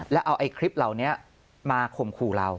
แล้วเอาไอ้คลิปเหล่านี้มาข่มขู่เรา